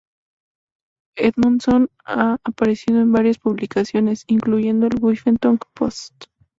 Edmonson ha aparecido en varias publicaciones, incluyendo el Huffington Post.